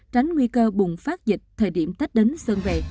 thời điểm tết đến sơn về